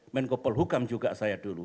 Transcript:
main kopel hukam juga saya dulu